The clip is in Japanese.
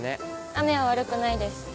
雨は悪くないです。